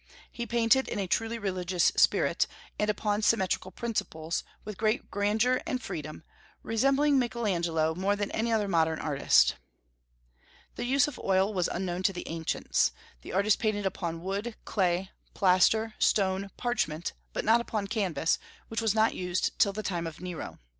He painted in a truly religious spirit, and upon symmetrical principles, with great grandeur and freedom, resembling Michael Angelo more than any other modern artist. The use of oil was unknown to the ancients. The artists painted upon wood, clay, plaster, stone, parchment, but not upon canvas, which was not used till the time of Nero.